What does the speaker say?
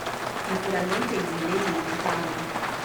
Naturalmente gli inglesi rifiutarono.